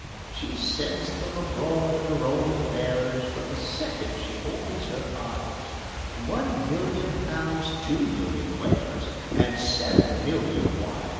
She sends 'em abroad on her own affairs, From the second she opens her eyes One million Hows, two million Wheres, And seven million Whys!